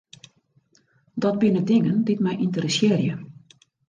Dat binne dingen dy't my ynteressearje.